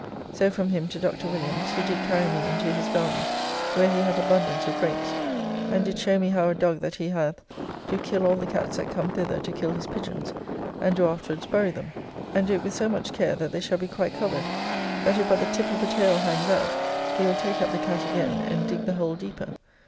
So from him to Dr. Williams, who did carry me into his garden, where he hath abundance of grapes; and did show me how a dog that he hath do kill all the cats that come thither to kill his pigeons, and do afterwards bury them; and do it with so much care that they shall be quite covered; that if but the tip of the tail hangs out he will take up the cat again, and dig the hole deeper.